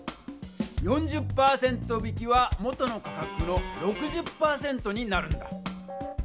４０％引きは元の価格の６０％になるんだ。